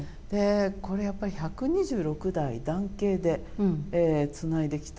これやっぱり１２６代男系でつないできた。